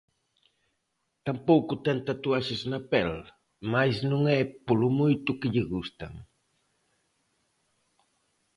Tampouco ten tatuaxes na pel, mais non é polo moito que lle gustan.